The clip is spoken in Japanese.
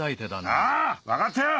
ああ分かったよ！